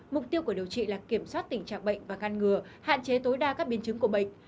mục tiêu của điều trị là kiểm soát tình trạng bệnh và ngăn ngừa hạn chế tối đa các biến chứng của bệnh